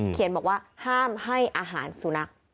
เขียนบอกว่าห้ามให้อาหารสุนัข